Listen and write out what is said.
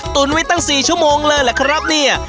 ตุ๋นไว้ตั้ง๔ชั่วโมงเลยล่ะครับเนี่ย